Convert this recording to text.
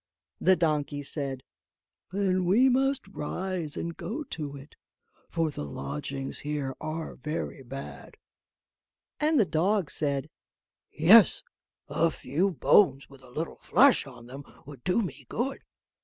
The donkey said: "Then we must rise and go to it, for the lodgings here are very bad;" and the dog said, "Yes; a few bones with a little flesh on them would do me good."